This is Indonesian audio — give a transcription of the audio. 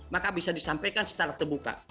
maka bisa disampaikan secara terbuka